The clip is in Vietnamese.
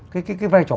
cái cái cái vai trò